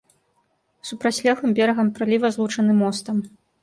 З супрацьлеглым берагам праліва злучаны мостам.